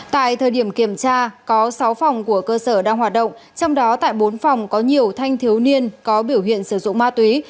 tại thời điểm kiểm tra có sáu phòng của cơ sở đang hoạt động trong đó tại bốn phòng có nhiều thanh thiếu niên có biểu hiện sử dụng ma túy